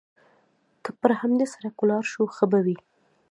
که پر همدې سړک ولاړ شو، ښه به وي.